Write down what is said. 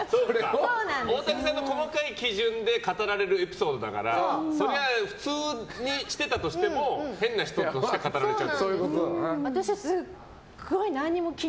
大竹さんの細かい基準で語られるエピソードだからそりゃあ普通にしてたとしても変な人として語られちゃうと。